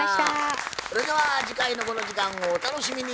それでは次回のこの時間をお楽しみに。